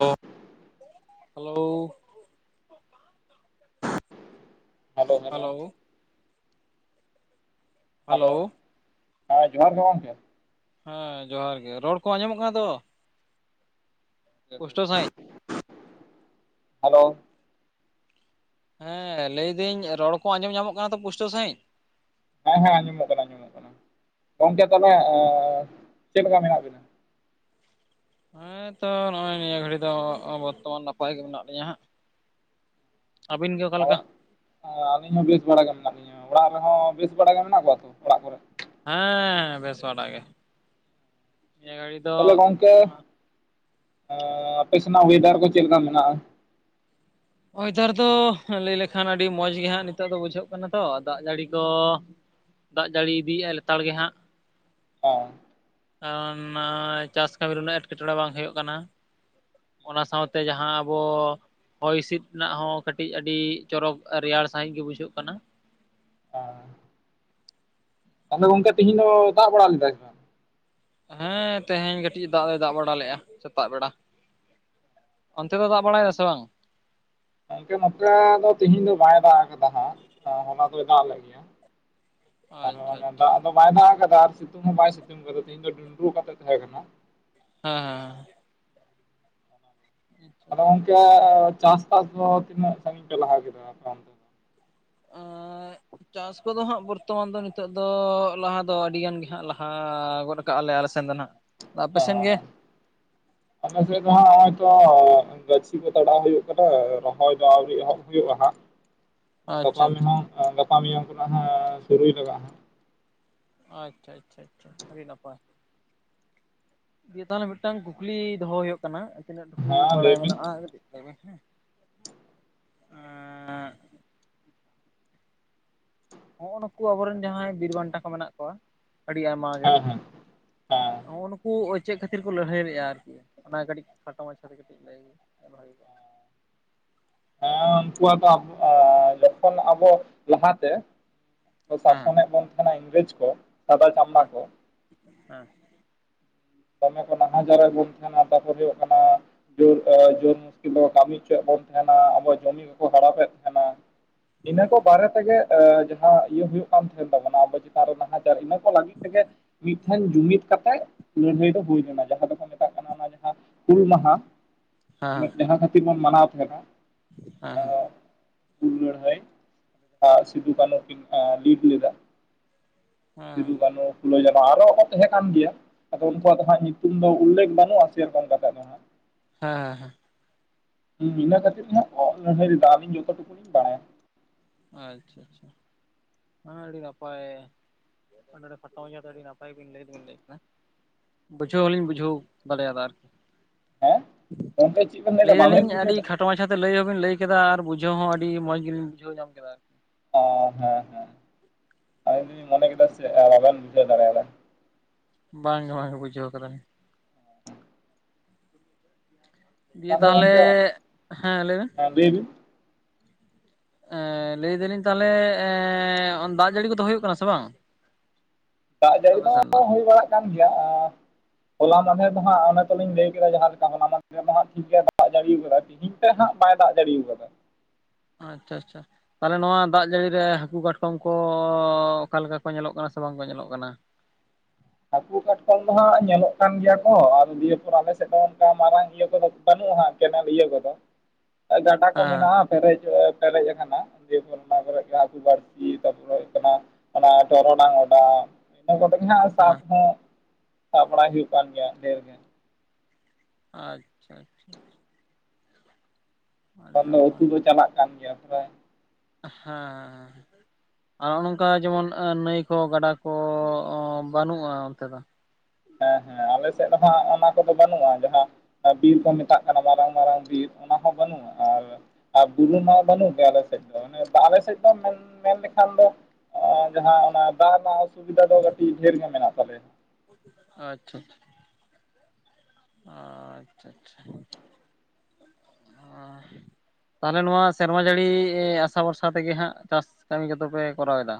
ᱚ, hello, hello hello, hello, ᱦᱮᱸ ᱡᱚᱦᱟᱨ ᱜᱮ ᱜᱚᱢᱠᱮ᱾ ᱦᱮᱸ ᱡᱚᱦᱟᱨ ᱜᱮ ᱨᱚᱲ ᱠᱚ ᱟᱸᱡᱚᱢᱚᱜ ᱠᱟᱱᱟ ᱛᱚ᱾ ᱯᱩᱥᱴᱟᱹᱣ ᱥᱟᱺᱦᱤᱡ ᱦᱟᱞᱳ, ᱦᱮᱸ ᱞᱟᱹᱭᱫᱟᱹᱧ ᱨᱚᱲ ᱠᱚ ᱟᱸᱡᱚᱢ ᱧᱟᱢᱚᱜ ᱠᱟᱱᱟ ᱛᱚ ᱯᱩᱥᱴᱟᱹᱣ ᱥᱟᱺᱦᱤᱡ᱾ ᱦᱮᱸ ᱦᱮᱸ ᱟᱡᱢᱚᱜ ᱠᱟᱱᱟ ᱟᱡᱚᱢᱚᱜ ᱠᱟᱱᱟ ᱜᱚᱝᱠᱮ ᱛᱟᱦᱚᱞᱮ ᱪᱮᱫ ᱞᱮᱠᱟ ᱢᱮᱱᱟᱜ ᱵᱤᱱᱟ? ᱦᱮᱸ ᱛᱚ ᱱᱚᱜᱼᱚᱭ ᱱᱤᱭᱟᱹ ᱜᱷᱟᱹᱲᱤᱠ ᱫᱚ ᱵᱚᱨᱛᱚᱢᱟᱱ ᱱᱟᱯᱟᱭ ᱜᱮ ᱢᱮᱱᱟᱜ ᱞᱤᱧᱟᱹ ᱦᱟᱸᱜ᱾ ᱟᱹᱵᱤᱱ ᱜᱮ ᱚᱲᱟᱜ ᱚᱠᱟᱞᱮᱠᱟ? ᱟᱹᱞᱤᱧ ᱦᱚᱸ ᱵᱮᱥ ᱵᱟᱲᱟ ᱜᱮ ᱢᱮᱱᱟᱜ ᱞᱤᱧᱟᱹ ᱚᱲᱟᱜ ᱨᱮᱦᱚᱸ ᱵᱮᱥ ᱵᱟᱲᱟ ᱜᱮ ᱢᱮᱱᱟᱜ ᱠᱚᱣᱟ ᱛᱚ ᱚᱲᱟᱜ ᱠᱚᱨᱮ? ᱦᱮᱸ ᱵᱮᱥ ᱵᱟᱲᱟ ᱜᱮ [inaudible] ᱱᱤᱭᱟᱹ ᱜᱷᱟᱲᱤ ᱛᱟᱦᱚᱞᱮ ᱜᱚᱝᱠᱮ ᱮᱻ ᱟᱯᱮ ᱥᱮᱱᱟᱜ ᱳᱭᱮᱫᱟᱨ ᱠᱚ ᱪᱮᱫ ᱞᱮᱠᱟ ᱢᱮᱱᱟᱜᱼᱟ? ᱚᱭᱫᱟᱨ ᱫᱚ ᱞᱟᱹᱭ ᱞᱮᱠᱷᱟᱱ ᱟᱹᱰᱤ ᱢᱚᱸᱡ ᱜᱮᱦᱟᱸᱜ ᱱᱤᱛᱚᱜ ᱫᱚ ᱵᱩᱡᱷᱟᱹᱜ ᱠᱟᱱᱟ ᱛᱚ ᱫᱟᱜ ᱡᱟᱹᱲᱤ ᱠᱚ ᱫᱟᱜ ᱡᱟᱹᱲᱤ ᱤᱫᱤᱭᱮᱫᱼᱟᱭ ᱞᱮᱛᱟᱲ ᱜᱮ ᱦᱟᱸᱜ᱾ [unintelligible] ᱠᱟᱨᱚᱱ ᱱᱚᱜᱼᱚᱭ ᱪᱟᱥ ᱠᱟᱹᱢᱤ ᱨᱮ ᱫᱚ ᱮᱴᱠᱮᱴᱚᱬᱮ ᱵᱟᱝ ᱦᱩᱭᱩᱜ ᱠᱟᱱᱟ᱾ ᱚᱱᱟ ᱥᱟᱶᱛᱮ ᱡᱟᱦᱟᱸ ᱟᱵᱚ ᱦᱚᱭ ᱦᱤᱸᱥᱤᱫ ᱨᱮᱱᱟᱜ ᱦᱚᱸ ᱠᱟᱹᱴᱤᱡ ᱟᱹᱰᱤ ᱪᱚᱨᱚᱠ ᱨᱮᱭᱟᱲ ᱥᱟᱺᱦᱤᱡ ᱜᱮ ᱵᱩᱡᱷᱟᱹᱜ ᱠᱟᱱᱟ᱾ ᱟᱨ, ᱛᱟᱦᱚᱞᱮ ᱜᱚᱝᱠᱮ ᱛᱮᱦᱮᱧ ᱫᱚ ᱫᱟᱜ ᱵᱟᱲᱟ ᱞᱮᱫᱟᱭ? ᱦᱮᱸ, ᱛᱮᱦᱮᱧ ᱠᱟᱹᱴᱤᱡ ᱫᱟᱜ ᱫᱚ ᱫᱟᱜ ᱵᱟᱲᱟ ᱞᱮᱫᱼᱟ ᱥᱮᱛᱟᱜ ᱵᱮᱲᱟ᱾ ᱚᱱᱛᱮ ᱫᱚ ᱫᱟᱜ ᱵᱟᱲᱟᱭᱟ ᱥᱮ ᱵᱟᱝ? ᱜᱚᱝᱠᱮ ᱱᱚᱛᱮ ᱫᱚ ᱛᱤᱦᱤᱧ ᱫᱚ ᱵᱟᱭ ᱫᱟᱜ ᱟᱠᱟᱫᱟ ᱦᱟᱸᱜ, ᱦᱚᱞᱟ ᱫᱚᱭ ᱫᱟᱜ ᱞᱮᱫ ᱜᱮᱭᱟ᱾ ᱟᱨ ᱟᱪᱪᱷᱟ ᱢᱟᱱᱮ ᱟᱪᱪᱷᱟ ᱫᱟᱜ ᱫᱚ ᱵᱟᱭ ᱫᱟᱜ ᱟᱠᱟᱫᱟ ᱟᱨ ᱥᱤᱛᱩᱝ ᱦᱚᱸ ᱵᱟᱭ ᱥᱤᱛᱩᱝ ᱠᱟᱫᱟ ᱛᱮᱦᱮᱧ ᱫᱚ ᱰᱩᱱᱰᱨᱩ ᱠᱟᱛᱮᱫ ᱛᱟᱦᱮᱸᱜ ᱠᱟᱱᱟ᱾ ᱦᱮᱸ, ᱚᱱᱟᱜᱮ ᱦᱮᱸ ᱟᱪᱪᱷᱟ ᱟᱫᱚ ᱟᱪᱪᱷᱟ ᱜᱚᱝᱠᱮ ᱪᱟᱥᱵᱟᱥ ᱫᱚ ᱛᱤᱱᱟᱹᱜ ᱥᱟᱺᱜᱤᱧ ᱯᱮ ᱞᱟᱦᱟ ᱠᱮᱫᱟ ᱟᱯᱮ ᱚᱱᱛᱮ? ᱫᱚ? ᱮᱸᱻ ᱪᱟᱥ ᱠᱚᱫᱚ ᱦᱟᱸᱜ ᱵᱚᱨᱛᱚᱢᱟᱱ ᱫᱚ ᱱᱤᱛᱚᱜ ᱫᱚ ᱞᱟᱦᱟ ᱫᱚ ᱟᱹᱰᱤ ᱜᱟᱱ ᱜᱮ ᱦᱟᱸᱜ ᱞᱟᱦᱟ ᱜᱚᱫ ᱠᱟᱜ ᱟᱞᱮ ᱟᱞᱮ ᱥᱮᱱ ᱫᱚ ᱱᱟᱦᱟᱜ ᱟᱯᱮᱥᱮᱱ ᱜᱮ? ᱦᱮᱸ ᱟᱞᱮ ᱥᱮᱫ ᱫᱚ ᱦᱟᱸᱜ ᱦᱚᱸᱜ ᱚᱭ ᱛᱚ ᱜᱟᱹᱪᱷᱤ ᱠᱚ ᱛᱟᱲᱟᱣ ᱦᱩᱭᱩᱜ ᱠᱟᱱᱟ ᱨᱚᱦᱚᱭ ᱫᱚ ᱟᱹᱣᱨᱤ ᱮᱦᱚᱵ ᱦᱩᱭᱩᱜᱼᱟ ᱦᱟᱸᱜ᱾ ᱜᱟᱯᱟ ᱟᱪᱪᱷᱟ ᱢᱮᱭᱟᱝ ᱜᱟᱯᱟ ᱢᱮᱭᱟᱝ ᱠᱷᱚᱱᱟᱜ ᱦᱟᱸᱜ ᱥᱩᱨᱩᱭ ᱞᱟᱜᱟᱜᱼᱟ᱾ ᱟᱪᱪᱷᱟ, ᱟᱪᱪᱷᱟ ᱟᱪᱷᱟ ᱟᱹᱰᱤ ᱱᱟᱯᱟᱭ᱾ ᱤᱭᱟ ᱛᱟᱦᱚᱞᱮ ᱢᱤᱫᱴᱟᱝ ᱠᱩᱠᱞᱤ ᱫᱚᱦᱚ ᱦᱩᱭᱩᱜ ᱠᱟᱱᱟ ᱛᱤᱱᱟᱹᱜ ᱴᱩᱠᱩ ᱦᱮᱸ ᱞᱟᱹᱭ ᱵᱟᱲᱟᱭ ᱵᱤᱱ ᱢᱮᱱᱟᱜᱼᱟ ᱠᱟᱹᱴᱤᱡ ᱞᱟᱹᱭ ᱵᱤᱱ ᱦᱮᱸ [inaudible] ᱦᱚᱸᱜᱼᱚ ᱱᱩᱠᱩ ᱟᱵᱚᱨᱮᱱ ᱡᱟᱦᱟᱸᱭ ᱵᱤᱨ ᱵᱟᱱᱴᱟ ᱠᱚ ᱢᱮᱱᱟᱜ ᱠᱚᱣᱟ ᱟᱹᱰᱤ ᱟᱭᱢᱟ ᱜᱮ ᱦᱮᱸ ᱦᱮᱸ [inaudible] ᱦᱮᱸ ᱱᱩᱜᱼ ᱱᱩᱠᱩ ᱪᱮᱫ ᱠᱷᱟᱹᱛᱤᱨ ᱠᱚ ᱞᱟᱹᱲᱦᱟᱹᱭ ᱞᱮᱫᱼᱟ ᱟᱨᱠᱤ ᱚᱱᱟ ᱠᱟᱹᱴᱤᱡ ᱠᱷᱟᱴᱚ ᱢᱟᱪᱷᱟᱛᱮ ᱠᱟᱹᱴᱤᱡ ᱞᱟᱹᱭ, ᱵᱟᱲᱟᱭ ᱦᱳᱭ ᱠᱚᱜᱼᱟ ᱾ ᱦᱮᱸ ᱩᱱᱠᱩᱣᱟᱜ ᱫᱚ ᱡᱚᱠᱷᱚᱱ ᱟᱵᱚ ᱞᱟᱦᱟᱛᱮ ᱠᱚ ᱦᱮᱸ ᱥᱟᱥᱚᱱᱮᱫ ᱵᱚᱱ ᱛᱟᱦᱮᱱᱟ ᱤᱝᱨᱮᱡᱽ ᱠᱚ ᱥᱟᱫᱟ ᱪᱟᱢᱲᱟ ᱦᱮᱸ ᱠᱚ᱾ [unintelligible] ᱫᱚᱢᱮ ᱠᱚ ᱱᱟᱦᱟᱪᱟᱨ ᱨᱮ ᱵᱚᱱ ᱛᱟᱦᱮᱱᱟ ᱛᱟᱨᱯᱚᱨ ᱦᱩᱭᱩᱜ ᱠᱟᱱᱟ ᱡᱳᱨ ᱡᱳᱨ ᱢᱩᱥᱠᱤᱞ ᱨᱮ ᱠᱟᱹᱢᱤ ᱦᱚᱪᱚᱭᱮᱫ ᱵᱚᱱ ᱛᱟᱦᱮᱱᱟ, ᱟᱵᱚᱣᱟᱜ ᱡᱚᱢᱤ ᱠᱚᱠᱚ ᱦᱟᱲᱟᱯᱮᱫ ᱛᱟᱦᱮᱱᱟ᱾ ᱤᱱᱟᱹ ᱠᱚ ᱵᱟᱨᱮ ᱛᱮᱜᱮ ᱡᱟᱦᱟᱸ ᱤᱭᱟᱹ ᱦᱩᱭᱩᱜ ᱠᱟᱱ ᱛᱟᱦᱮᱱ ᱛᱟᱵᱚᱱᱟ ᱟᱵᱚ ᱪᱮᱛᱟᱱ ᱨᱮ ᱱᱟᱦᱟ ᱤᱱᱟᱹ ᱠᱚ ᱞᱟᱹᱜᱤᱫ ᱛᱮᱜᱮ ᱢᱤᱫ ᱴᱷᱮᱱ ᱡᱩᱢᱤᱫ ᱠᱟᱛᱮ ᱞᱟᱹᱲᱦᱟᱹᱭ ᱫᱚ ᱦᱩᱭ ᱞᱮᱱᱟ ᱡᱟᱦᱟᱸ ᱫᱚᱠᱚ ᱢᱮᱛᱟᱜ ᱠᱟᱱᱟ ᱚᱱᱟ ᱡᱟᱦᱟᱸ ᱦᱩᱞ ᱢᱟᱦᱟ᱾ ᱵᱚᱱ ᱢᱟᱱᱟᱣ ᱛᱟᱦᱮᱸᱱᱟ᱾ ᱦᱮᱸ ᱦᱮᱸ, ᱦᱩᱞ ᱞᱟᱹᱲᱦᱟᱹᱭ ᱟᱜ ᱥᱤᱫᱩ ᱠᱟᱹᱱᱦᱩ ᱠᱤᱱ ᱞᱤᱰ ᱞᱮᱫᱟ᱾ ᱦᱮᱸ ᱥᱤᱫᱩ ᱠᱟᱹᱱᱦᱩ ᱯᱷᱩᱞᱚ ᱡᱷᱟᱱᱚ ᱟᱨᱦᱚᱸ ᱠᱚ ᱛᱟᱦᱮᱸᱜ ᱠᱟᱱ ᱜᱮᱭᱟ᱾ ᱟᱫᱚ ᱩᱱᱠᱩᱣᱟᱜ ᱫᱚ ᱦᱟᱸᱜ ᱧᱩᱛᱩᱢ ᱫᱚ ᱩᱞᱞᱮᱠᱷ ᱵᱟᱹᱱᱩᱜᱼᱟ ᱥᱮᱨᱚᱠᱚᱢ ᱠᱟᱛᱮ ᱫᱚ ᱦᱟᱸᱜ᱾ ᱦᱮᱸ ᱦᱮᱸ ᱦᱮᱸ ᱤᱱᱟᱹ ᱠᱷᱟᱹᱛᱤᱨ ᱛᱮ [unintelligible] ᱦᱟᱜ ᱚ ᱞᱟᱹᱲᱦᱟᱹᱭ ᱮᱫᱟ, ᱟᱞᱤᱧ ᱡᱚᱛᱚ ᱴᱩᱠᱩ ᱞᱤᱧ ᱵᱟᱲᱟᱭᱟ᱾ ᱟᱪᱪᱷᱟ ᱟᱪᱪᱷᱟ᱾ ᱦᱮᱸ ᱟᱹᱰᱤ ᱱᱟᱯᱟᱭ᱾ ᱚᱸᱰᱮ [unintelligible] ᱯᱟᱴᱟᱣ ᱫᱚ ᱟᱹᱰᱤ ᱱᱟᱯᱟᱭ ᱵᱤᱱ ᱞᱟᱹᱭ ᱵᱤᱱ ᱞᱟᱹᱭ ᱵᱩᱡᱷᱟᱹᱣ ᱦᱚᱞᱤᱧ ᱵᱩᱡᱷᱟᱹᱣ ᱫᱟᱲᱮᱭᱟᱫᱟ ᱟᱨᱠᱤ᱾ ᱦᱮᱸ ᱜᱚᱝᱠᱮ ᱪᱮᱫ ᱵᱮᱱ ᱞᱟᱹᱭᱫᱟ ᱞᱟᱹᱭ ᱵᱟᱵᱮᱱ ᱫᱟᱞᱤᱧ, ᱟᱹᱰᱤ ᱵᱩᱡᱷᱟᱹᱣᱫᱟ ᱠᱷᱟᱴᱚ ᱠᱷᱟᱴᱚ ᱢᱟᱪᱷᱟ ᱛᱮ ᱞᱟᱹᱭ ᱦᱚᱸᱵᱤᱱ ᱞᱟᱹᱭ ᱠᱮᱫᱟ, ᱟᱨ ᱵᱩᱡᱷᱟᱹᱣ ᱦᱚᱸ ᱟᱹᱰᱤ ᱢᱚᱸᱡᱽ ᱜᱮᱧ ᱵᱩᱡᱷᱣ ᱧᱟᱢ ᱠᱮᱫᱟ᱾ ᱚ ᱦᱮᱸ ᱦᱮᱸ ᱾ᱟᱞᱤᱧ ᱫᱩᱞᱤ ᱢᱚᱱᱮ ᱠᱮᱫᱟ ᱥᱮ, ᱟᱵᱮᱱ ᱵᱩᱡᱷᱟᱹᱣ ᱫᱟᱲᱮᱭᱟᱫᱟ᱾ ᱵᱟᱝ ᱜᱮ ᱵᱟᱝ, ᱵᱩᱡᱷᱟᱹᱣ ᱟᱠᱟᱫ ᱞᱤᱧ᱾ ᱫᱤᱭᱮ ᱛᱟᱦᱚᱞᱮ, ᱦᱮᱸ ᱞᱟᱹᱭ ᱢᱮ? ᱟᱵᱤᱱ ᱞᱟᱹᱭ ᱮᱫᱟᱞᱤᱧ ᱛᱟᱦᱚᱞᱮ ᱫᱟᱜ ᱡᱟᱹᱲᱤ ᱠᱚᱫᱚ, ᱦᱩᱭᱩᱜ ᱠᱟᱱᱟ ᱥᱮ ᱵᱟᱝ? ᱫᱟᱜ ᱡᱟᱹᱲᱤ ᱟᱯᱮ ᱫᱚ, ᱥᱮᱱ ᱦᱩᱭ ᱵᱟᱲᱟᱜ ᱠᱟᱱ ᱜᱮᱭᱟ᱾ ᱦᱚᱞᱟ ᱢᱟᱫᱷᱮᱨ ᱫᱚ ᱦᱟᱸᱜ ᱚᱱᱟ ᱛᱚᱞᱤᱧ ᱞᱟᱹᱭ ᱠᱮᱫᱟ, ᱡᱟᱦᱟᱸ ᱞᱮᱠᱟ ᱦᱚᱞᱟ ᱢᱟᱫᱷᱮᱨ ᱫᱚ ᱦᱟᱜ ᱴᱷᱤᱠ ᱜᱮ ᱫᱟᱜ ᱡᱟᱹᱲᱤᱣᱟ ᱟᱠᱟᱫᱟ᱾ ᱛᱤᱦᱤᱧ ᱦᱟᱸᱜ ᱵᱟᱭ ᱫᱟᱜ ᱫᱟᱲᱮ ᱟᱠᱟᱫᱟ᱾ ᱟᱪᱪᱷᱟ ᱟᱪᱪᱷᱟ᱾ ᱛᱟᱦᱚᱞᱮ ᱱᱚᱣᱟ ᱫᱟᱜ ᱡᱟᱹᱲᱤ ᱨᱮ ᱦᱟᱹᱠᱩ ᱠᱟᱴᱚᱢ ᱠᱚ, ᱚᱠᱟ ᱞᱮᱠᱟ ᱠᱚ ᱧᱮᱞᱚᱜ ᱠᱟᱱᱟ ᱥᱮ ᱵᱟᱝ ᱠᱚ ᱧᱮᱞᱚᱜ ᱠᱟᱱᱟ? ᱦᱟᱹᱠᱩ ᱠᱟᱴᱠᱚᱢ ᱫᱚ ᱦᱟᱜ ᱧᱮᱞᱚᱜ ᱠᱟᱱ ᱜᱮᱭᱟ ᱠᱚ, ᱟᱨ ᱱᱤᱭ ᱯᱚᱨ ᱟᱞᱮ ᱥᱮᱫ ᱦᱚᱸ ᱚᱱᱠᱟ ᱢᱟᱨᱟᱝ ᱤᱭᱟᱹ ᱠᱚᱫᱚ ᱵᱟᱹᱱᱩᱜᱼᱟ, ᱠᱮᱱᱮᱞ ᱤᱭᱟᱹ ᱠᱚᱫᱚ ᱜᱟᱰᱟ ᱠᱚ ᱦᱮᱸ ᱢᱮᱱᱟᱜᱼᱟ᱾ ᱯᱮᱨᱮᱡ ᱯᱮᱨᱮᱡ ᱟᱠᱟᱱᱟ, ᱫᱤᱭᱮ ᱯᱚᱨ ᱚᱱᱟ ᱠᱚᱨᱮ ᱦᱟᱹᱠᱩ ᱵᱟᱹᱲᱥᱤ ᱛᱟᱯᱚᱨᱮ ᱦᱩᱭᱩᱜ ᱠᱟᱱᱟ ᱚᱱᱟ ᱴᱚᱨᱳᱴᱟᱝ ᱚᱰᱟᱣ ᱤᱱᱟᱹ ᱠᱚᱛᱮ ᱜᱮ ᱦᱟᱜ ᱥᱟᱵ ᱦᱮᱸ ᱦᱚᱸ, ᱥᱟᱵ ᱵᱟᱲᱟᱭ ᱦᱩᱭᱩᱜ ᱠᱟᱱ ᱜᱮᱭᱟ ᱰᱷᱮᱨ ᱜᱮ᱾ ᱟᱪᱪᱷᱟ ᱟᱪᱪᱷᱟ ᱾ ᱠᱷᱟᱱ ᱫᱚ ᱩᱛᱩ ᱫᱚ ᱪᱟᱞᱟᱜ ᱠᱟᱱ ᱜᱮᱭᱟ ᱯᱨᱟᱭ᱾ ᱦᱟᱸ ᱾ ᱟᱨ ᱱᱚᱝᱠᱟ ᱡᱮᱢᱚᱱ, ᱱᱟᱹᱭ ᱠᱚ ᱜᱟᱰᱟ ᱠᱚ ᱵᱟᱹᱱᱩᱜᱼᱟ ᱚᱱᱛᱮ ᱫᱚ᱾ ᱦᱮᱸ ᱦᱮᱸ, ᱟᱞᱮ ᱥᱮᱫ ᱦᱚᱸ ᱚᱱᱟ ᱠᱚᱫᱚ, ᱵᱟᱹᱱᱩᱜᱼᱟ ᱾ ᱡᱟᱦᱟᱸ ᱵᱤᱨ ᱠᱚ ᱢᱮᱛᱟᱜ ᱠᱟᱱᱟ, ᱢᱟᱨᱟᱝ ᱢᱟᱨᱟᱝ ᱵᱤᱨ ᱚᱱᱟ ᱦᱚᱸ ᱵᱟᱹᱱᱩᱜᱼᱟ ᱾ᱟᱨ ᱟᱨ ᱵᱩᱨᱩ ᱢᱟ ᱵᱟᱹᱱᱩᱜ ᱜᱮᱭᱟ ᱟᱞᱮ ᱥᱮᱫ ᱫᱚ ᱾ᱟᱞᱮ ᱥᱮᱫ ᱫᱚ ᱢᱮᱱ ᱞᱮᱠᱷᱟᱱ ᱫᱚ ᱡᱟᱦᱟᱸ ᱚᱱᱟ ᱫᱟᱜ ᱨᱮᱱᱟᱜ ᱚᱥᱩᱵᱤᱫᱷᱟ ᱫᱚ ᱠᱟᱹᱴᱤᱡ, ᱰᱷᱮᱨ ᱜᱮ ᱢᱮᱱᱟᱜ ᱛᱟᱞᱮᱭᱟ᱾ ᱟᱪᱪᱷᱟ ᱾ ᱟᱪᱪᱷᱟ ᱟᱪᱪᱷᱟ ᱾ ᱛᱟᱦᱚᱞᱮ ᱱᱚᱣᱟ ᱥᱮᱨᱢᱟ ᱡᱟᱹᱲᱤ, ᱟᱥᱟ ᱵᱷᱚᱨᱥᱟ ᱛᱮᱜᱮ ᱦᱟᱸᱜ ᱪᱟᱥ ᱠᱟᱹᱢᱤ ᱠᱚᱫᱚ ᱯᱮ ᱠᱚᱨᱟᱣ ᱮᱫᱟ?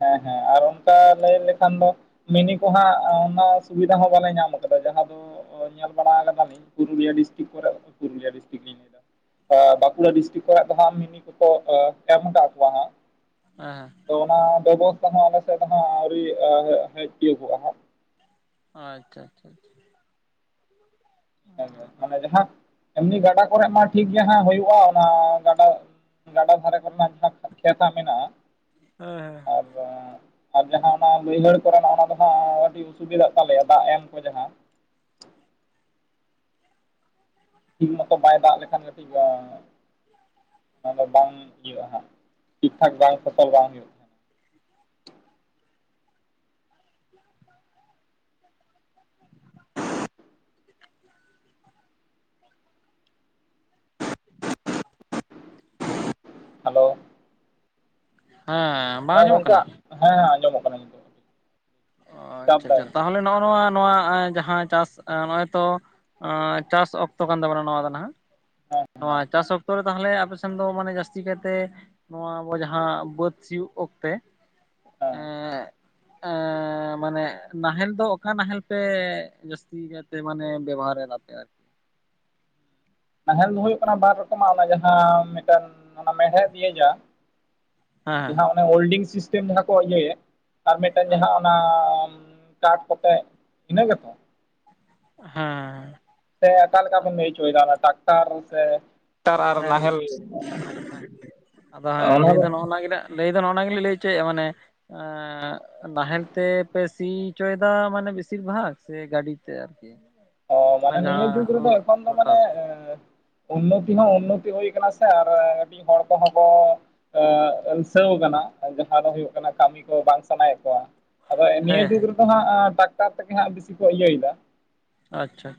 ᱦᱮᱸ ᱦᱮᱸ ᱟᱨ ᱚᱱᱠᱟ, ᱞᱟᱹᱭ ᱞᱮᱠᱷᱟᱱ ᱫᱚ ᱢᱤᱱᱤ ᱠᱚᱦᱟᱸᱜ ᱚᱱᱟ ᱥᱩᱵᱤᱫᱷᱟ ᱦᱚᱸ ᱵᱟᱞᱮ ᱧᱟᱢ ᱟᱠᱟᱫᱟ᱾ ᱡᱟᱦᱟᱸ ᱫᱚ ᱧᱮᱞ ᱵᱟᱲᱟ ᱟᱠᱟᱫᱟᱞᱤᱧ, ᱯᱩᱨᱩᱞᱤᱭᱟᱹ ᱰᱤᱥᱴᱤᱠ ᱠᱚᱨᱮ ᱯᱩᱨᱩᱞᱤᱭᱟᱹ ᱰᱤᱥᱴᱤᱠ ᱞᱤᱧ ᱞᱟᱹᱭ ᱵᱟᱸᱠᱩᱲᱟ ᱰᱤᱥᱴᱤᱠ ᱠᱚᱨᱮᱱᱟᱜ ᱫᱚ ᱦᱟᱸᱜ ᱢᱤᱱᱤ ᱠᱚᱠᱚ ᱮᱢ ᱟᱠᱟᱫ ᱠᱚᱣᱟ ᱦᱟᱸᱜ᱾ ᱦᱮᱸ᱾ ᱛᱚ ᱚᱱᱟ ᱵᱮᱵᱚᱥᱛᱛᱟ ᱦᱚᱸ ᱟᱞᱮ ᱥᱮᱫ ᱫᱚ ᱦᱟᱸᱜ ᱟᱹᱣᱨᱤ ᱦᱮᱡ ᱛᱤᱭᱳᱚᱜᱼᱟ ᱦᱟᱸᱜ᱾ ᱟᱪᱪᱷᱟ, ᱟᱪᱪᱷᱟ, ᱟᱪᱷᱟ ᱦᱮᱸ ᱢᱟᱱᱮ ᱡᱟᱦᱟᱸ ᱮᱢᱱᱤ ᱜᱟᱰᱟ ᱠᱚᱨᱮ ᱢᱟ ᱴᱷᱤᱠ ᱜᱮ ᱦᱩᱭᱩᱜᱼᱟ᱾ ᱚᱱᱟ ᱜᱟᱰᱟ ᱜᱟᱰᱟ ᱫᱷᱟᱨᱮ ᱠᱚᱨᱮᱱᱟᱜ ᱡᱟᱦᱟᱸ ᱠᱷᱮᱛ ᱦᱟᱸᱜ ᱢᱮᱱᱟᱜᱼᱟ᱾ ᱦᱮᱸ ᱦᱮᱸ᱾ [unintelligible] ᱟᱨ ᱡᱟᱦᱟᱸ ᱚᱱᱟ ᱵᱟᱹᱭᱦᱟᱹᱲ ᱠᱚᱨᱮᱱᱟᱜ ᱚᱱᱟ ᱫᱚ ᱦᱟᱸᱜ ᱟᱹᱰᱤ ᱚᱥᱩᱵᱤᱫᱟᱜ ᱛᱟᱞᱮᱭᱟ ᱫᱟᱜ ᱮᱢ ᱠᱚ ᱡᱟᱦᱟᱸ ᱴᱷᱤᱠ ᱢᱚᱛᱚ ᱵᱟᱭ ᱫᱟᱜ ᱞᱮᱠᱷᱟᱱ ᱠᱟᱹᱴᱤᱡ ᱚᱱᱟ ᱫᱚ ᱵᱟᱝ ᱦᱩᱭᱩᱜ-ᱟ ᱦᱟᱸᱜ ᱴᱷᱤᱠ ᱴᱷᱟᱠ ᱵᱟᱭ ᱥᱯᱷᱚᱞ ᱵᱟᱝ ᱦᱩᱭᱩᱜᱼᱟ᱾ ᱦᱟᱞᱳ᱾ ᱦᱮᱸᱻ᱾ ᱦᱮᱸ ᱜᱚᱝᱠᱮ ᱦᱮᱸ ᱟᱸᱡᱚᱢᱚᱜ ᱠᱟᱱᱟ ᱱᱤᱛᱚᱜ᱾ ᱚ ᱰᱤᱥᱴᱟᱵ ᱟᱪᱪᱷᱟ ᱫᱟᱭ ᱟᱪᱪᱷᱟ ᱠᱟᱹᱴᱤᱡ ᱛᱟᱦᱚᱞᱮ ᱱᱚᱜᱼᱚ ᱱᱚᱣᱟ ᱱᱚᱣᱟ ᱡᱟᱦᱟᱸ ᱪᱟᱥ, ᱱᱚᱜᱼᱚᱭ ᱛᱚ ᱪᱟᱥ ᱚᱠᱛᱚ ᱠᱟᱱ ᱛᱟᱵᱚᱱᱟ ᱱᱚᱣᱟ ᱫᱚ ᱱᱟᱦᱟᱜ ᱦᱮᱸ ᱾ ᱱᱚᱣᱟ ᱦᱮᱸ ᱪᱟᱥ ᱚᱠᱛᱚ ᱨᱮ ᱛᱟᱦᱚᱞᱮ ᱟᱯᱮᱥᱮᱱ ᱫᱚ ᱢᱟᱱᱮ ᱡᱟᱹᱥᱛᱤ ᱠᱟᱭᱛᱮ ᱱᱚᱣᱟ ᱟᱵᱚ ᱡᱟᱦᱟᱸ ᱵᱟᱹᱫᱽ ᱥᱤᱭᱳᱜ ᱚᱠᱛᱮ ᱮᱸᱻ ᱦᱮᱸ ᱮᱸᱻ᱾ ᱮᱸᱻ, ᱢᱟᱱᱮ ᱱᱟᱦᱮᱞ ᱫᱚ ᱚᱠᱟ ᱱᱟᱦᱮᱞ ᱯᱮ ᱡᱟᱹᱥᱛᱤ ᱠᱟᱭᱛᱮ ᱢᱟᱱᱮ ᱵᱮᱵᱚᱦᱟᱨ ᱮᱫᱟ ᱯᱮ ᱟᱨ ᱱᱟᱦᱮᱞ ᱫᱚ ᱦᱳᱭᱳᱜ ᱠᱟᱱᱟ ᱵᱟᱨ ᱨᱚᱠᱚᱢᱟᱜ ᱚᱱᱟ ᱡᱟᱦᱟᱸ ᱢᱤᱫᱴᱮᱱ ᱚᱱᱟ ᱢᱮᱲᱦᱮᱫ ᱫᱤᱭᱮ ᱡᱟ ᱡᱟᱦᱟᱸ ᱦᱮᱸ ᱚᱱᱟᱮ ᱦᱳᱞᱰᱤᱝ ᱥᱤᱥᱴᱮᱢ ᱡᱟᱦᱟᱸ ᱠᱚ ᱤᱭᱟᱹᱭᱮᱜ ᱟᱨ ᱢᱤᱫᱴᱟᱝ ᱡᱟᱦᱟᱸ ᱚᱱᱟ ᱠᱟᱴ ᱠᱚᱛᱮ ᱤᱱᱟᱹ ᱜᱮᱛᱚ? ᱦᱮᱸ᱾ ᱥᱮ ᱞᱮᱠᱟ ᱵᱮᱱ ᱟᱹᱭᱠᱟᱹᱣᱮᱫᱟ ᱚᱱᱟ ᱴᱟᱠᱴᱟᱨ ᱥᱮ ᱴᱟᱨ ᱟᱨ ᱦᱮᱸ ᱱᱟᱦᱮᱞ ᱦᱮᱸ ᱟᱫᱚ ᱦᱮᱸ ᱞᱟᱹᱭ ᱫᱚ ᱱᱚᱜ-ᱚ ᱱᱟ ᱜᱮ ᱱᱟᱜ ᱞᱟᱹᱭ ᱫᱚ ᱱᱚᱜ-ᱚᱱᱟ ᱜᱮᱞᱤᱧ ᱞᱟᱹᱭ ᱦᱚᱪᱚᱭᱮᱜ-ᱟ ᱢᱟᱱᱮ ᱮᱸᱻ ᱱᱟᱦᱮᱞ ᱛᱮᱯᱮ ᱥᱤᱪᱚᱭᱫᱟ ᱢᱟᱱᱮ ᱵᱮᱥᱤᱨ ᱵᱷᱟᱜᱽ ᱥᱮ ᱜᱟᱹᱰᱤ ᱛᱮ? [unintelligible] ᱚ ᱚᱱᱟ ᱢᱟᱱᱮ ᱱᱤᱭᱟᱹ ᱡᱟᱦᱟᱸ ᱡᱩᱜᱽ ᱨᱮᱫᱚ ᱮᱠᱷᱚᱱ ᱫᱚ ᱢᱟᱱᱮ ᱞᱚᱴᱟᱨ ᱮᱸ ᱩᱱᱱᱚᱛᱤ ᱦᱚᱸ ᱩᱱᱱᱚᱛᱤ ᱦᱩᱭ ᱠᱟᱱᱟ ᱥᱮ ᱟᱨ ᱠᱟᱹᱴᱤᱡ ᱦᱚᱲ ᱠᱚᱦᱚᱸ ᱠᱚ ᱮ ᱴᱟᱹᱣ ᱠᱟᱱᱟ ᱡᱟᱦᱟᱸ ᱫᱚ ᱦᱩᱭᱩᱜ ᱠᱟᱱᱟ ᱠᱟᱢᱤ ᱠᱚ ᱵᱟᱝ ᱥᱟᱱᱟᱭᱮᱜ ᱠᱚᱣᱟ ᱟᱫᱚ ᱦᱮᱸ ᱱᱤᱭᱟᱹ ᱡᱩᱜᱽ ᱦᱮᱸ ᱨᱮ ᱫᱚ ᱦᱟᱸᱜ ᱴᱟᱠᱴᱟᱨ ᱛᱮᱜᱮ ᱦᱟᱸᱜ ᱵᱮᱥᱤ ᱠᱚ ᱤᱭᱟᱹᱭᱮᱫᱟ ᱾ ᱟᱪᱪᱷᱟ᱾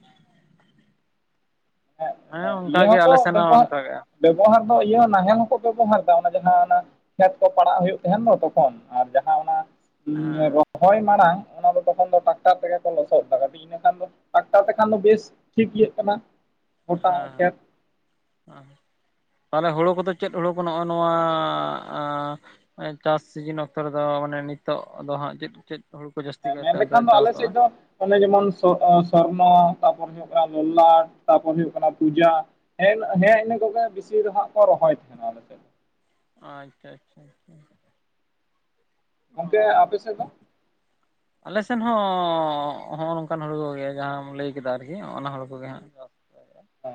ᱦᱮᱸ ᱤᱭᱟᱹ ᱚᱱᱠᱟᱜᱮ ᱦᱚᱸᱠᱚ ᱟᱞᱮ ᱥᱮᱱ ᱦᱚᱸ ᱵᱮᱵᱚᱦᱟᱨ ᱚᱱᱠᱟᱜᱮ ᱵᱮᱵᱚᱦᱟᱨ ᱫᱚ ᱤᱭᱟᱹ ᱱᱟᱦᱮᱞ ᱦᱚᱸᱠᱚ ᱵᱮᱵᱚᱦᱟᱨ ᱫᱟ ᱚᱱᱟ ᱡᱟᱦᱟᱸ ᱚᱱᱟ ᱠᱷᱮᱛ ᱠᱚ ᱯᱟᱲᱟᱜ ᱦᱩᱭᱩᱜ ᱛᱟᱦᱮᱱ ᱫᱚ ᱛᱚᱠᱷᱚᱱ ᱟᱨ ᱡᱟᱦᱟᱸ ᱚᱱᱟ ᱦᱮᱸ ᱨᱚᱦᱚᱭ ᱢᱟᱲᱟᱝ ᱚᱱᱟ ᱛᱚᱠᱷᱚᱱ ᱫᱚ ᱴᱟᱠᱴᱟᱨ ᱛᱮᱜᱮ ᱠᱚ ᱞᱚᱥᱚᱫᱫᱟ ᱴᱟᱠᱴᱟᱨ ᱛᱮ ᱠᱷᱟᱱ ᱫᱚ ᱵᱮᱥ ᱴᱷᱤᱠ ᱤᱭᱟᱹᱜ ᱠᱟᱱᱟ᱾ ᱦᱮᱸ ᱜᱚᱴᱟ ᱦᱮᱸ ᱠᱷᱮᱛ ᱦᱮᱸ᱾ ᱢᱟᱱᱮ ᱦᱳᱲᱳ ᱠᱚᱫᱚ ᱪᱮᱫ ᱦᱳᱲᱳ ᱠᱚ ᱱᱚᱜ-ᱚ ᱱᱚᱣᱟ ᱟᱸᱻ᱾ ᱪᱟᱥ ᱥᱤᱡᱤᱱ ᱚᱠᱛᱚ ᱨᱮᱫᱚ ᱢᱟᱱᱮ ᱱᱤᱛᱚᱜ ᱫᱚ ᱦᱟᱸᱜ ᱪᱮᱫ ᱪᱮᱫ ᱦᱚᱲᱩ ᱠᱚ ᱡᱟᱹᱥᱛᱤ ᱦᱮᱸ ᱠᱟᱭᱛᱮ ᱢᱮᱱ ᱚᱱᱛᱮ ᱞᱮᱠᱷᱟᱱ ᱫᱚ ᱟᱞᱮ ᱪᱟᱥᱚᱜ-ᱟ? ᱥᱮᱫ ᱫᱚ ᱚᱱᱮ ᱡᱮᱢᱚᱱ ᱥᱚ-ᱥᱚᱨᱱᱚ ᱛᱟᱯᱚᱨᱮ ᱦᱩᱭᱩᱜ ᱠᱟᱱᱟ ᱞᱚᱞᱞᱟᱴ ᱛᱟᱯᱚᱨ ᱦᱩᱭᱩᱜ ᱠᱟᱱᱟ ᱯᱩᱡᱟ। ᱦᱮᱸ ᱦᱮᱸ ᱤᱱᱟᱹ ᱠᱚᱜᱮ ᱵᱮᱥᱤ ᱫᱚ ᱦᱟᱸᱜ ᱠᱚ ᱨᱚᱦᱚᱭ ᱛᱟᱦᱮᱱᱟ ᱟᱞᱮ ᱥᱮᱜ᱾ ᱟᱪᱪᱷᱟ ᱟᱪᱪᱷᱟ ᱟᱪᱪᱷᱟ᱾ ᱚᱻ᱾ ᱜᱚᱝᱠᱮ ᱟᱯᱮ ᱥᱮᱫ ᱫᱚ ᱟᱞᱮ ᱥᱮᱱ ᱦᱚᱸ ᱦᱚᱜ-ᱚ ᱱᱚᱝᱠᱟᱱ ᱦᱩᱲᱩ ᱠᱚᱜᱮ ᱡᱟᱦᱟᱸᱢ ᱞᱟᱹᱭ ᱠᱮᱫᱟ ᱟᱨᱠᱤ ᱚᱱᱟ ᱦᱳᱲᱳ ᱠᱚᱜᱮ ᱦᱟᱸᱜ᱾ ᱪᱟᱥ᱾ ᱦᱮ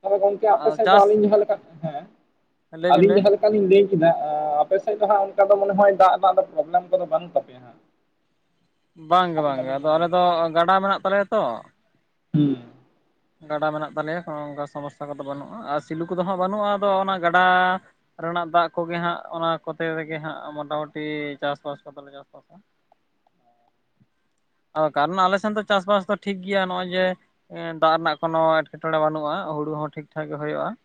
ᱛᱟᱦᱮᱞᱮ ᱜᱚᱝᱠᱮ ᱟᱯᱮ ᱟᱨ ᱥᱮᱫ ᱫᱚ ᱪᱟᱥ ᱟᱹᱞᱤᱧ ᱡᱟᱦᱟᱸ ᱞᱮᱠᱟ ᱦᱮᱸ ᱞᱟᱹᱭ ᱵᱮᱱ ᱟᱞᱤᱧ ᱞᱟᱹᱭ ᱡᱟᱦᱟᱸ ᱞᱮ ᱠᱟ ᱞᱤᱧ ᱞᱟᱹᱭ ᱠᱮᱫᱟ ᱟᱯᱮ ᱥᱮᱜ ᱫᱚ ᱦᱟᱸᱜ ᱚᱱᱠᱟ ᱫᱚ ᱢᱚᱱᱮ ᱦᱚᱭ ᱫᱟᱜ ᱨᱮᱱᱟᱜ ᱫᱚ ᱯᱨᱚᱵᱽᱞᱮᱢ ᱠᱚᱫᱚ ᱵᱟᱹᱱᱩᱜ ᱛᱟᱯᱮᱭᱟ ᱦᱟᱸᱜ᱾ [inaudible] ᱵᱟᱝᱜᱮ ᱡᱟᱦᱟᱸ ᱛᱤᱱᱟᱹᱜ ᱵᱟᱝᱜᱮ, ᱞᱤᱧ ᱟᱫᱚ ᱟᱞᱮ ᱢᱚᱱᱮᱭᱮᱫᱟ ᱫᱚ ᱜᱟᱰᱟ ᱢᱮᱱᱟᱜ ᱛᱟᱞᱮᱭᱟ ᱛᱚ ᱾ ᱦᱩᱸ᱾ ᱜᱟᱰᱟ ᱢᱮᱱᱟᱜ ᱛᱟᱞᱮᱭᱟ ᱛᱚ ᱚᱱᱠᱟ ᱥᱚᱢᱚᱥᱥᱟ ᱠᱚᱫᱚ ᱵᱟᱹᱱᱩᱜᱼᱟ ᱟᱨ ᱥᱤᱫᱩ ᱠᱚᱫᱚ ᱦᱟᱸᱜ ᱵᱟᱹᱱᱩᱜᱼᱟ ᱟᱫᱚ ᱚᱱᱟ ᱜᱟᱰᱟ ᱨᱮᱱᱟᱜ ᱫᱟᱜ ᱠᱚᱜᱮ ᱦᱟᱸᱜ, ᱚᱱᱟ ᱠᱚᱛᱮ ᱛᱮᱜᱮ ᱦᱟᱸᱜ, ᱢᱚᱴᱟᱢᱩᱴᱤ ᱪᱟᱥᱵᱟᱥ ᱠᱚᱫᱚᱞᱮ ᱪᱟᱥᱵᱟᱥᱟ ᱾ ᱟᱫᱚ ᱠᱟᱨᱚᱱᱟ ᱟᱞᱮ ᱥᱮᱱ ᱫᱚ ᱪᱟᱥᱵᱟᱥ ᱫᱚ ᱴᱷᱤᱠ ᱜᱮᱭᱟ ᱱᱚᱜᱼᱚᱭ ᱡᱮ ᱫᱟᱜ ᱨᱮᱱᱟᱜ ᱠᱳᱱᱳ ᱮᱴᱠᱮᱴᱚᱬᱮ ᱵᱟᱹᱱᱩᱜᱼᱟ, ᱦᱳᱲᱩ ᱦᱚᱸ ᱴᱷᱤᱠ ᱴᱷᱟᱠ ᱜᱮ ᱦᱳᱭᱳᱜᱼᱟ ᱾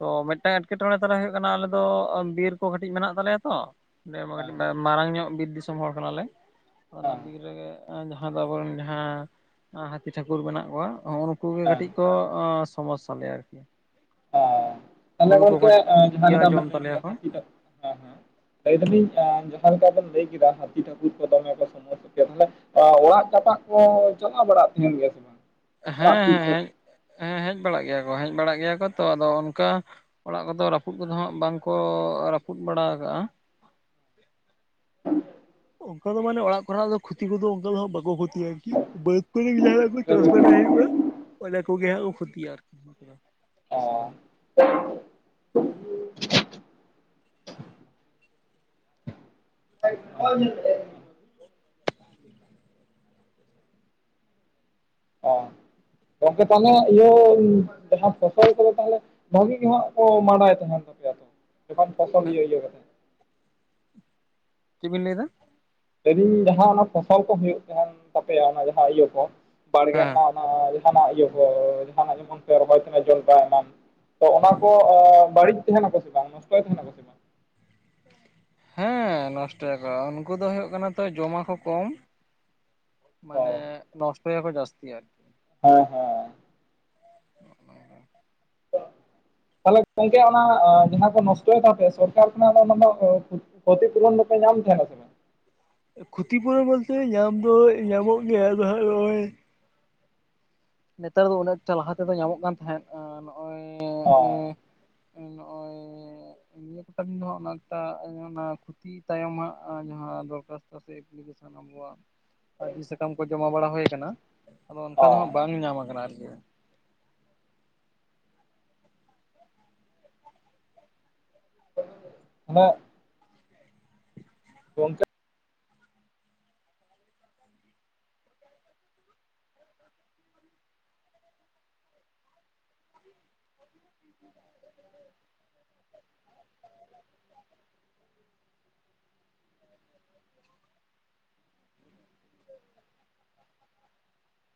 ᱛᱚ ᱢᱮᱫᱴᱟᱝ ᱮᱴᱠᱮᱴᱚᱲᱮ ᱛᱟᱞᱮ ᱦᱳᱭᱳᱜ ᱠᱟᱱᱟ, ᱟᱞᱮ ᱫᱚ ᱵᱤᱨ ᱠᱚ ᱠᱟᱹᱴᱤᱡ ᱢᱮᱱᱟᱜ ᱛᱟᱞᱮᱭᱟ ᱛᱚ᱾ ᱚᱸᱰᱮ ᱦᱮᱸ ᱠᱟᱹᱴᱤᱡ ᱢᱟᱨᱟᱝ ᱧᱚᱜ ᱵᱤᱨ ᱫᱤᱥᱚᱢ ᱦᱚᱲ ᱠᱟᱱᱟᱞᱮ, ᱚᱱᱟ ᱦᱮᱸ ᱵᱤᱨ ᱨᱮᱜᱮ ᱡᱟᱦᱟᱸ ᱫᱚ ᱟᱵᱚᱨᱮᱱ ᱡᱟᱦᱟᱸ, ᱦᱟᱹᱛᱤ ᱴᱷᱟᱹᱠᱩᱨ ᱢᱮᱱᱟᱜ ᱠᱚᱣᱟ ᱦᱩᱸᱜ ᱩᱱᱠᱩᱜᱮ ᱦᱮᱸ ᱠᱟᱹᱴᱤᱡ ᱠᱚ ᱥᱚᱢᱚᱥᱥᱟ ᱞᱮᱭᱟ ᱟᱨᱠᱤ᱾ ᱛᱟᱦᱞᱮ ᱦᱩᱲᱩ ᱠᱚᱠᱚ ᱜᱚᱝᱠᱮ ᱡᱟᱦᱟᱸ ᱠᱷᱚᱛᱤᱭᱟ ᱞᱮᱠᱟ ᱵᱤᱱ ᱡᱚᱢ ᱞᱟᱹᱭ ᱠᱮᱫᱟ ᱛᱟᱞᱮᱭᱟ ᱠᱚ ᱦᱟᱛᱤ ᱴᱷᱟᱹᱠᱩᱨ ᱦᱮᱸ ᱦᱮ᱾ ᱞᱟᱹᱭ ᱫᱟᱞᱤᱧ ᱡᱟᱦᱟᱸ ᱞᱮᱠᱟ ᱵᱮᱱ ᱞᱟᱹᱭ ᱠᱮᱫᱟ, ᱦᱟᱹᱛᱤ ᱴᱷᱟᱠᱩᱨ ᱠᱚ ᱫᱚᱢᱮ ᱠᱚ, ᱥᱚᱢᱚᱥᱥᱟ ᱯᱮᱭᱟ ᱛᱟᱦᱚᱞᱮ? ᱚᱲᱟᱜ ᱡᱟᱯᱟᱜ ᱠᱚ, ᱪᱟᱞᱟᱣ ᱵᱟᱲᱟᱜ ᱛᱟᱦᱮᱱ ᱜᱮᱭᱟ ᱥᱮ ᱵᱟᱝ? ᱦᱮᱸᱻ ᱚᱲᱟᱜ ᱥᱩᱨ ᱥᱮᱫ ᱦᱮᱸᱻ ᱦᱮᱸᱻ᱾ ᱦᱮᱡ ᱵᱟᱲᱟᱜ ᱜᱮᱭᱟ ᱠᱚ, ᱦᱮᱡ ᱵᱟᱲᱟᱜ ᱜᱮᱭᱟ ᱠᱚ ᱛᱚ ᱟᱫᱚ ᱚᱱᱠᱟ ᱚᱲᱟᱜ ᱠᱚᱫᱚ ᱨᱟᱹᱯᱩᱫ ᱠᱚᱫᱚ ᱦᱟᱸᱜ, ᱵᱟᱝ ᱠᱚ ᱨᱟᱹᱯᱩᱫ ᱵᱟᱲᱟ ᱠᱟᱜᱼᱟ᱾ ᱚᱱᱠᱟ ᱫᱚ ᱢᱟᱱᱮ ᱚᱲᱟᱜ ᱠᱷᱚᱱᱟᱜ ᱫᱚ, ᱠᱷᱚᱛᱤ ᱠᱚᱫᱚ ᱚᱱᱠᱟ ᱫᱚ ᱦᱟᱸᱜ ᱵᱟᱠᱚ ᱠᱷᱚᱛᱤᱭᱟ ᱟᱹᱨᱠᱤ᱾ ᱵᱟᱹᱛ ᱠᱚᱨᱮ ᱜᱮ, ᱡᱟᱦᱟ ᱱᱟᱜ ᱟᱯᱮ ᱪᱟᱥ ᱵᱟᱲᱟ ᱦᱳᱭᱩᱜᱼᱟ᱾ ᱚᱱᱟ ᱠᱚᱜᱮ ᱠᱚ ᱦᱟᱸᱜ ᱠᱚ, ᱠᱷᱩᱛᱤᱭᱟ ᱟᱨᱠᱤ᱾ ᱚ [inaudible] [unintelligible] [inaudible] [inaudible] ᱜᱚᱢᱠᱮ ᱛᱟᱦᱚᱞᱮ ᱤᱭᱟᱹ ᱡᱟᱦᱟᱸ, ᱯᱷᱚᱥᱚᱞ ᱠᱚᱫᱚ ᱛᱟᱦᱚᱞᱮ? ᱵᱷᱟᱹᱜᱤ ᱜᱮ ᱦᱟᱸᱜ ᱠᱚ ᱢᱟᱰᱟᱭ ᱛᱟᱦᱮᱱ ᱛᱟᱯᱮᱭᱟ ᱛᱚ, ᱡᱚᱠᱷᱚᱱ ᱯᱷᱚᱥᱚᱞ ᱤᱭᱟᱹ ᱤᱭᱟᱹ ᱠᱟᱛᱮ? ᱪᱮᱫ ᱵᱤᱱ ᱞᱟᱹᱭᱮ ᱮᱫᱟ? ᱞᱟᱹᱭ ᱟᱞᱤᱧ ᱡᱟᱦᱟᱸ ᱚᱱᱟ ᱯᱷᱚᱥᱚᱞ ᱠᱚ, ᱦᱳᱭᱩᱳᱜ ᱛᱟᱦᱮᱱ ᱛᱟᱯᱮᱭᱟ᱾ ᱚᱱᱟ ᱡᱟᱦᱟᱸ ᱤᱭᱟᱹ ᱠᱚ ᱵᱟᱲᱜᱮ ᱦᱮᱸ ᱨᱮᱱᱟᱜ? ᱡᱟᱦᱟᱱᱟᱜ ᱤᱭᱟᱹ ᱠᱚ ᱡᱟᱦᱟᱱᱟᱜ ᱡᱚᱠᱷᱚᱱ ᱡᱮᱢᱚᱱ ᱯᱮ ᱨᱚᱦᱚᱭ ᱛᱟᱦᱮᱱ ᱡᱚᱞ ᱵᱟᱭ ᱮᱢᱟᱱ᱾ ᱛᱚ ᱚᱱᱟ ᱠᱚ ᱵᱟᱹᱲᱤᱡ ᱛᱟᱦᱮᱱᱟ, ᱠᱚ ᱥᱮ ᱵᱟᱝ ᱱᱚᱥᱴᱚᱭ ᱛᱟᱦᱮᱱᱟᱠᱚ ᱥᱮ ᱵᱟᱝ? ᱦᱮᱸ ᱱᱚᱥᱴᱚᱭᱟ ᱠᱚ, ᱩᱱᱠᱩ ᱫᱚ ᱦᱳᱭᱳᱜ ᱠᱟᱱᱟ ᱛᱚ ᱡᱚᱢᱟ ᱠᱚ ᱠᱚᱢ᱾ ᱚ ᱢᱟᱱᱮ ᱱᱚᱥᱴᱚᱭᱟ ᱠᱚ ᱡᱟᱹᱥᱛᱤ ᱟᱨᱠᱤ᱾ ᱦᱮᱸ ᱦᱮᱸ᱾ ᱛᱟᱦᱚᱞᱮ ᱜᱚᱢᱠᱮ ᱚᱱᱟ ᱡᱟᱦᱟᱸ ᱠᱚ, ᱱᱚᱥᱴᱚᱭ ᱛᱟᱯᱮ ᱥᱚᱨᱠᱟᱨ ᱠᱷᱚᱱᱟᱜ ᱫᱚ, ᱚᱱᱟ ᱫᱚ ᱠᱷᱚᱛᱤ ᱯᱩᱨᱩᱨᱚᱱ ᱫᱚᱯᱮ ᱧᱟᱢ ᱛᱟᱦᱮᱱᱟ ᱥᱮ ᱵᱟᱝ? ᱠᱷᱚᱛᱤ ᱯᱩᱨᱩᱨᱚᱱ ᱵᱚᱞᱛᱮ ᱧᱟᱢ ᱫᱚ, ᱧᱟᱢᱚᱜ ᱜᱮᱭᱟ ᱟᱫᱚ ᱦᱟᱸᱜ ᱱᱚᱜᱼᱚᱭ᱾ ᱱᱮᱛᱟᱨ ᱫᱚ ᱩᱱᱟᱹᱜᱚᱴᱟ, ᱞᱟᱦᱟ ᱛᱮᱫᱚ ᱧᱟᱢᱚᱜ ᱠᱟᱱ ᱛᱟᱦᱮᱸᱫ ᱱᱚᱜᱼᱚᱭ ᱚ ᱱᱚᱜᱼᱚᱭ ᱱᱤᱭᱟᱹ ᱠᱚᱴᱟ ᱫᱤᱱ ᱫᱚ, ᱮᱠᱴᱟ ᱟᱱᱟ ᱠᱷᱚᱛᱤ ᱛᱟᱭᱚᱢ ᱦᱟᱸᱜ ᱡᱟᱦᱟᱸ ᱫᱚᱨᱠᱥᱛᱚ ᱥᱮ ᱮᱯᱞᱤᱠᱮᱥᱚᱱ ᱟᱵᱚᱣᱟᱜ ᱟᱹᱨᱡᱤ ᱥᱟᱠᱟᱢ ᱠᱚ, ᱡᱚᱢᱟ ᱵᱟᱲᱟ ᱦᱳᱭ ᱠᱟᱱᱟ, ᱟᱫᱚ ᱚ ᱚᱱᱠᱟ ᱫᱚ ᱦᱟᱜ ᱵᱟᱝ ᱧᱟᱢ ᱠᱟᱱᱟ ᱟᱨᱠᱤ᱾ [inaudible] [unintelligible] ᱜᱚᱢᱠᱮ [inaudible] [unintelligible]